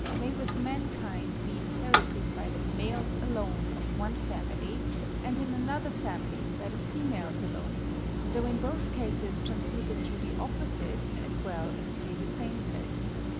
may with mankind be inherited by the males alone of one family, and in another family by the females alone, though in both cases transmitted through the opposite as well as through the same sex.